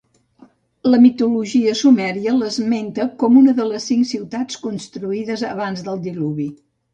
La mitologia sumèria l'esmenta com una de les cinc ciutats construïdes abans del diluvi.